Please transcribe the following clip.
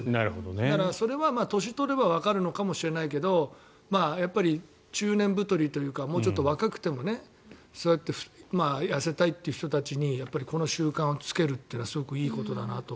だから、それは年を取ればわかるのかもしれないけどやっぱり中年太りというかもうちょっと若くてもそうやって痩せたいっていう人たちにこの習慣をつけるというのはすごくいいことだなと。